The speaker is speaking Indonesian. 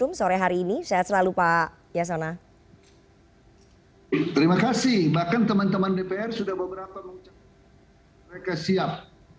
bahkan teman teman dpr sudah beberapa mengucapkan mereka siap